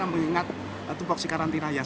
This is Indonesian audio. mengingat tubuh karantina yang